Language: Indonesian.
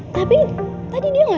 tapi tadi dia gak datang ngajar